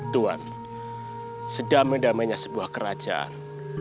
tuhan sedama damainya sebuah kerajaan